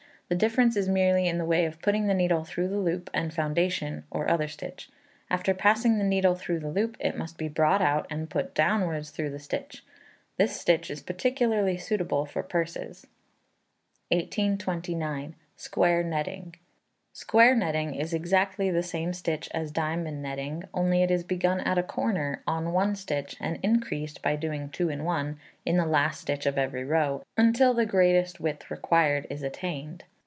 The difference is merely in the way of putting the needle through the loop and foundation, or other stitch. After passing the needle through the loop, it must be brought out, and put downwards through the stitch. This stitch is particularly suitable for purses. 1829. Square Netting. Square Netting is exactly the same stitch as diamond netting, only it is begun at a corner, on one stitch, and increased (by doing two in one) in the last stitch of every row, until the greatest width required is attained.